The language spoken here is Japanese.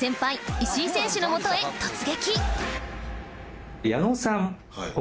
石井選手の元へ突撃！